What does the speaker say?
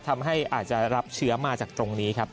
ทำให้อาจจะรับเชื้อมาอาการจากตรงนี้ครับ